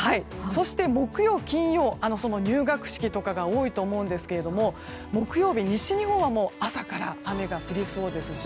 そして木曜、金曜入学式とかが多いと思いますが木曜日、西日本は朝から雨が降りそうですし